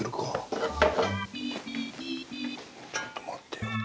ちょっと待ってよ。